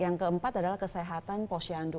yang keempat adalah kesehatan posyandu